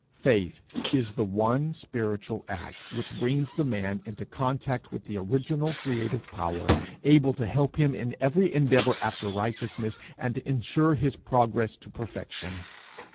It is the one spiritual act which brings the man into contact with the original creative power, able to help him in every endeavour after righteousness, and ensure his progress to perfection.